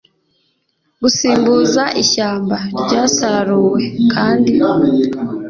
Gusimbuza ishyamba ryasaruwe kandi